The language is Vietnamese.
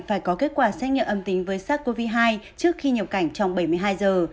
phải có kết quả xét nghiệm âm tính với sars cov hai trước khi nhập cảnh trong bảy mươi hai giờ